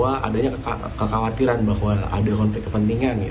yang kedua adalah bahwa adanya kekhawatiran bahwa ada konflik kepentingan